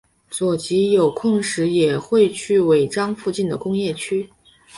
佐吉有空时也会去尾张附近的工业区。